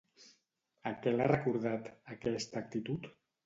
A què l'ha recordat, aquesta actitud?